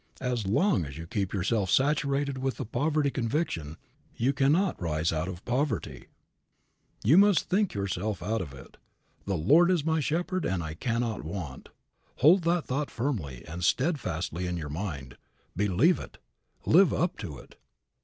As long as you keep yourself saturated with the poverty conviction you cannot rise out of poverty. You must think yourself out of it. "The Lord is my Shepherd, and I cannot want." Hold that thought firmly and steadfastly in your mind. Believe it. Live up to it.